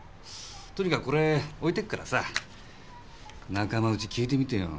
とにかくこれ置いてくからさ仲間内に訊いてみてよ。